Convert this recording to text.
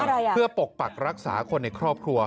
อะไรอ่ะเพื่อปกปักรักษาคนในครอบครัว